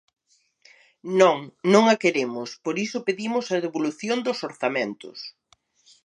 Non, non a queremos, por iso pedimos a devolución dos orzamentos.